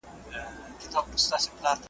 محتسب مو پر منبر باندي امام سو .